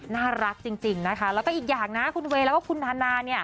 น่ารักจริงนะคะแล้วก็อีกอย่างนะคุณเวย์แล้วก็คุณธนาเนี่ย